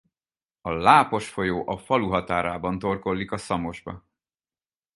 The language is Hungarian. A Lápos folyó a falu határában torkollik a Szamosba.